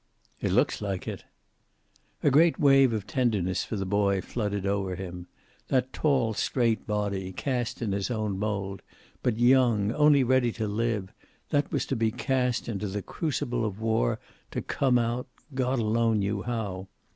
"It looks like it." A great wave of tenderness for the boy flooded over him. That tall, straight body, cast in his own mold, but young, only ready to live, that was to be cast into the crucible of war, to come out God alone knew how.